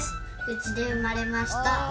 うちでうまれました。